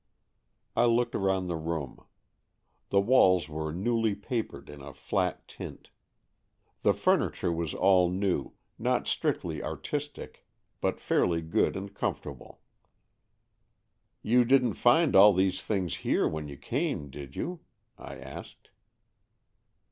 I looked round the room. The walls were newly papered in a flat tint. The furniture was all new, not strictly artistic, but fairly good and comfortable. "You didn't find all these things here when you came, did you ?" I asked.